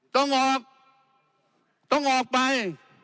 ต้องออกต้องออกไป